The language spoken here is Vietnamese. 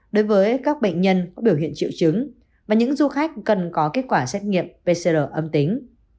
đối với các bệnh nhân có biểu hiện triệu chứng và những du khách cần có kết quả xét nghiệm pcr âm tính